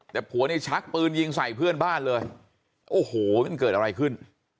แต่ผัวเนี่ยชักปืนยิงใส่เพื่อนบ้านเลยโอ้โหมันเกิดอะไรขึ้น